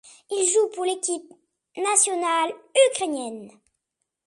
Il joue pour l'équipe nationale ukrainienne.